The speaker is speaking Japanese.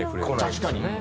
確かに。